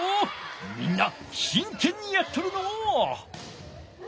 みんなしんけんにやっとるのう。